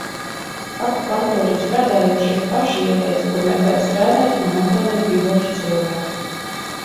Kapu kantorī strādājošie paši ieteica, kur meklēt strādāt un nopelnīt gribošu cilvēku.